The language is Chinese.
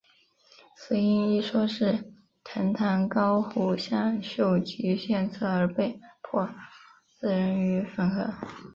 死因一说是藤堂高虎向秀吉献策而被迫自刃于粉河。